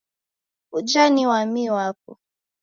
Uja ni wamii wapo.